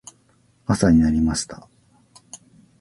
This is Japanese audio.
朝になりました。